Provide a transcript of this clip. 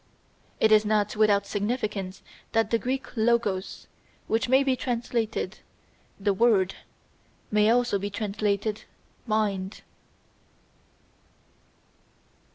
It is not without significance that the Greek Logos, which may be translated "the word," may also be translated Mind.